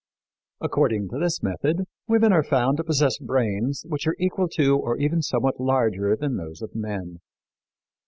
According to this method, women are found to possess brains which are equal to or even somewhat larger than those of men.